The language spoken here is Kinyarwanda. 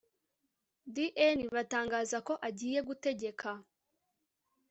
Dn batangaza ko agiye gutegeka